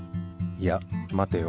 いや待てよ。